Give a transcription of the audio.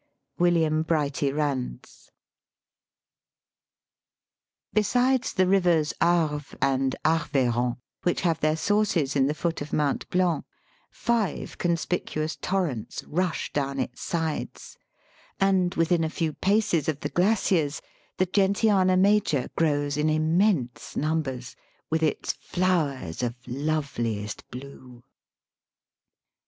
WILLIAM BRIGHTY RANDS. Besides the rivers, Arve and Arveiron, which have their sources in the foot of Mount Blanc, five conspicuous torrents rush down its sides ; and within a few paces of the Glaciers, the Gentiana Major grows in immense numbers, with its "flowers of loveliest blue."